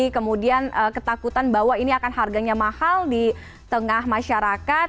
kemudian ketakutan bahwa ini akan harganya mahal di tengah masyarakat